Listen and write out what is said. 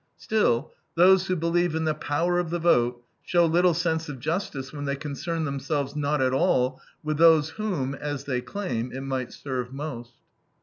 Still, those who believe in the power of the vote show little sense of justice when they concern themselves not at all with those whom, as they claim, it might serve most.